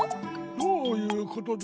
どういうことじゃ？